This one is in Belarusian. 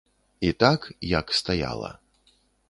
І так, як стаяла.